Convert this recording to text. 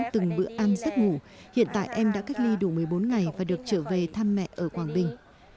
từng bữa ăn giấc ngủ hiện tại em đã cách ly đủ một mươi bốn ngày và được trở về thăm mẹ ở quảng bình